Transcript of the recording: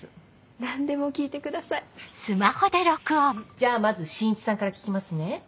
じゃあまず晋一さんから聞きますね。